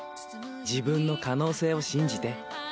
自分の可能性を信じて。